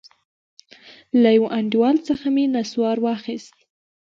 له يوه انډيوال څخه مې نسوار واخيست.